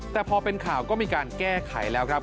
แต่พอเป็นข่าวก็มีการแก้ไขแล้วครับ